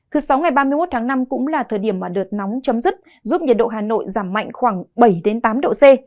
thứ sáu ngày ba mươi một tháng năm cũng là thời điểm mà đợt nóng chấm dứt giúp nhiệt độ hà nội giảm mạnh khoảng bảy tám độ c